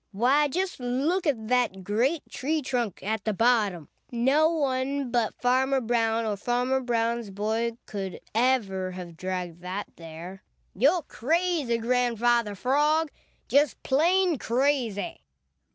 Why, just look at that great tree trunk at the bottom! No one but Farmer Brown or Farmer Brown's boy could ever have dragged that there. You're crazy, Grandfather Frog, just plain crazy."